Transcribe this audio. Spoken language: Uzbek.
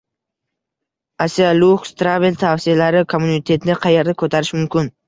Asialuxe Travel tavsiyalari: Immunitetni qayerda ko‘tarish mumkin?